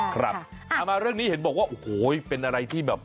เอามาเรื่องนี้เห็นบอกว่าโอ้โหเป็นอะไรที่แบบ